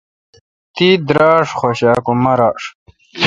تی دراش خوش آں کہ ماراش؟